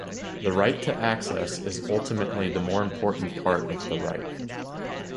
The right to access is ultimately the more important part of the right.